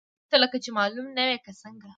ته ورته لکه چې معلوم نه وې، که څنګه؟